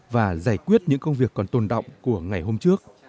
và giải quyết những công việc còn tồn động của ngày hôm trước